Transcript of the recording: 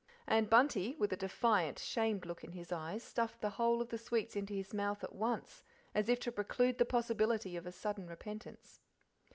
And Bunty, with a defiant, shamed look in his eyes, stuffed the whole of the sweets into his mouth at once, as if to preclude the possibility of a sudden repentance.